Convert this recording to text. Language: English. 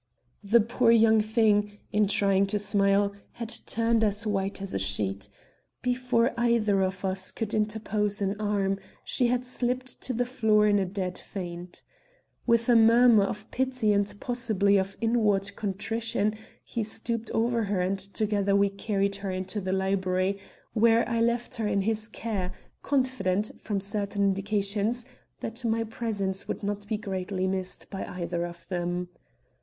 The poor young thing, in trying to smile, had turned as white as a sheet. Before either of us could interpose an arm, she had slipped to the floor in a dead faint. With a murmur of pity and possibly of inward contrition, he stooped over her and together we carried her into the library, where I left her in his care, confident, from certain indications, that my presence would not be greatly missed by either of them.